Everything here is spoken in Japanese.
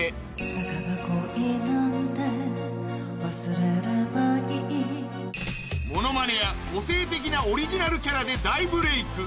たかが恋なんて忘れればいいモノマネや個性的なオリジナルキャラで大ブレイク！